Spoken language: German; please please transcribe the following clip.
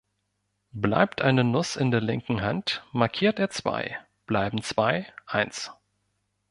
Bleibt eine Nuss in der linken Hand, markiert er zwei, bleiben zwei, eins.